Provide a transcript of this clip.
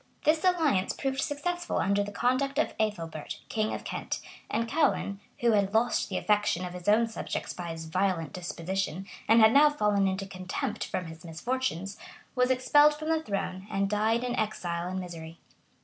This alliance proved successful under the conduct of Ethelbert, king of Kent; and Ceaulin, who had lost the affections of his own subjects by his violent disposition, and had now fallen into contempt from his misfortunes, was expelled the throne,[]and died in exile and misery.